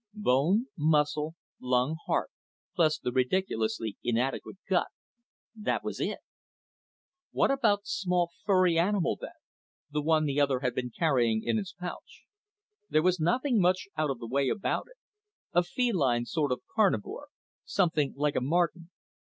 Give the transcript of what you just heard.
Bone, muscle, lung, heart plus the ridiculously inadequate gut that was it. What about the small, furry, animal then; the one the other had been carrying in its pouch? There was nothing much out of the way about it a feline sort of carnivore, something like a marten.